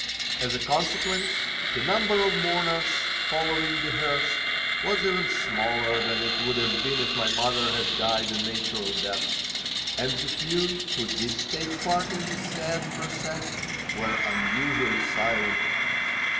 As a consequence, the number of mourners following the hearse was even smaller than it would have been if my mother had died a natural death. And the few who did take part in the sad procession were unusually silent.